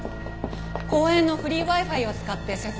公園のフリーＷｉ−Ｆｉを使って接続していました。